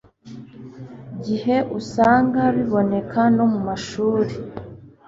gihe usanga biboneka no mu mashuri